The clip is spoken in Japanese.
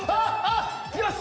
あっ！